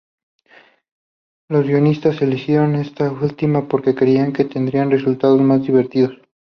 Los guionistas eligieron esta última porque creían que tendría resultados más divertidos.